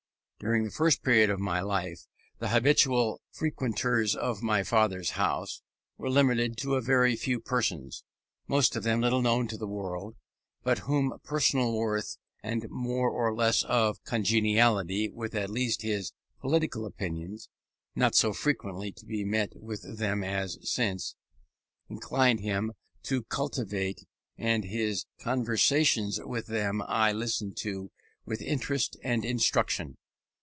During this first period of my life, the habitual frequenters of my father's house were limited to a very few persons, most of them little known to the world, but whom personal worth, and more or less of congeniality with at least his political opinions (not so frequently to be met with then as since), inclined him to cultivate; and his conversations with them I listened to with interest and instruction.